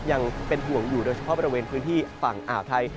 ยังเป็นห่วงอยู่โดยเฉพาะบริเวณพื้นที่ฝั่งอ่าวไทย